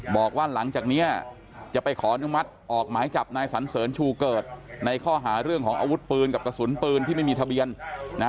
บอกว่าหลังจากนี้จะไปขออนุมัติออกหมายจับนายสันเสริญชูเกิดในข้อหาเรื่องของอาวุธปืนกับกระสุนปืนที่ไม่มีทะเบียนนะ